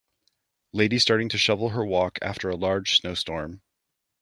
Lady starting to shovel her walk, after a large snowstorm.